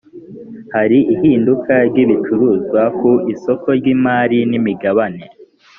hari ihinduka ry’ibicuruzwa ku isoko ry’imari n’imigabane